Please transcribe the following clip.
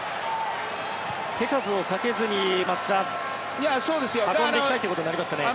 手数をかけずに松木さん運んでいきたいということになりますかね。